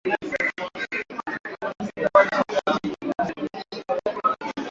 Mnamo miaka ya hivi karibuni idhaa imekua